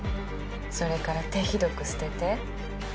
それから手ひどく捨てて。